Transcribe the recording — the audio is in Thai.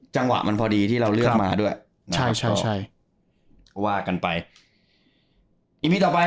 จังหวะมันพอดีที่เราเลือกมาด้วยนะใช่ใช่ก็ว่ากันไปอีพีต่อไป